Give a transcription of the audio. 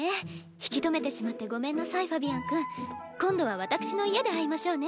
引き止めてしまってごめんなさいファビアンくん。今度は私の家で会いましょうね。